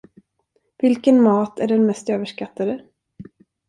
Vilken mat är den mest överskattade?